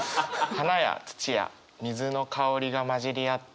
「花や土や水の香りがまじりあった」。